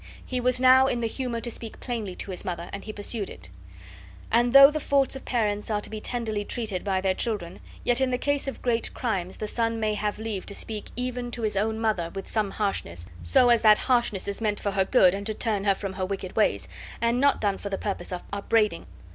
He was now in the humor to speak plainly to his mother, and he pursued it. And though the faults of parents are to be tenderly treated by their children, yet in the case of great crimes the son may have leave to speak even to his own mother with some harshness, so as that harshness is meant for her good and to turn her from her wicked ways, and not done for the purpose of upbraiding.